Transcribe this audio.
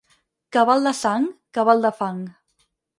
Cabal de sang, cabal de fang.